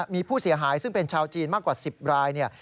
มีผู้เสียหายซึ่งเป็นชาวจีนมากกว่า๑๐รายเนี่ย